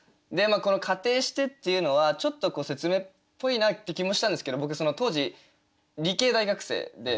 この「仮定して」っていうのはちょっと説明っぽいなって気もしたんですけど僕当時理系大学生で。